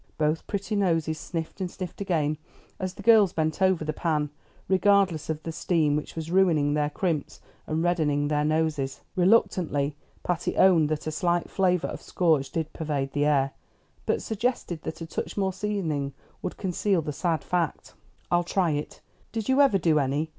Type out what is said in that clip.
Both pretty noses sniffed and sniffed again as the girls bent over the pan, regardless of the steam which was ruining their crimps and reddening their noses. Reluctantly, Patty owned that a slight flavor of scorch did pervade the air, but suggested that a touch more seasoning would conceal the sad fact. "I'll try it. Did you ever do any?